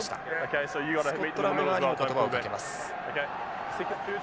スコットランド側にも言葉をかけます。